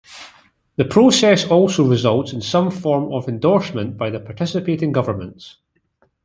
This process also results in some form of endorsement by the participating governments.